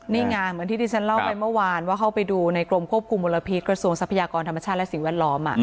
นี่ไงเหมือนที่ที่ฉันเล่าไปเมื่อวานว่าเข้าไปดูในกรมควบคุมมลพิษกระทรวงทรัพยากรธรรมชาติและสิ่งแวดล้อม